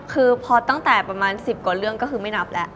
คือพอตั้งแต่ประมาณ๑๐กว่าเรื่องก็คือไม่นับแล้ว